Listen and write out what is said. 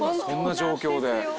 そんな状況で。